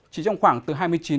nhiệt độ ở các tỉnh này vẫn thấp